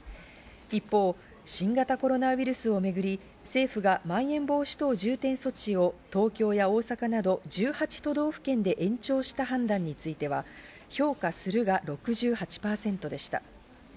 一方、新型コロナウイルスをめぐり、政府がまん延防止等重点措置を東京や大阪など１８都道府県で延長した判断については、評価するが６８％でした。